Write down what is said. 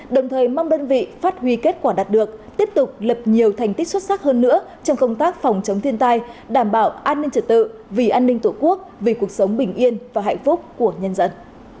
đồng thời mong đơn vị phát huy kết quả đạt được tiếp tục lập nhiều thành tích xuất sắc hơn nữa trong công tác phòng chống thiên tai đảm bảo an ninh trật tự vì an ninh tổ quốc vì cuộc sống bình yên và hạnh phúc của nhân dân